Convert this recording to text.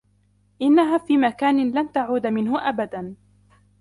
إنّها في مكان لن تعود منه أبدا.